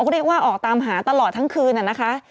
เขาเรียกว่าออกตามหาตลอดทั้งคืนนะคะ